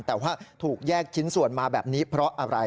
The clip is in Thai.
แต่ว่าถูกแยกชิ้นส่วนมาแบบนี้เพราะอะไร